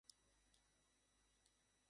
তিনি সর্বাধিক পরিচিত ও জনপ্রিয়।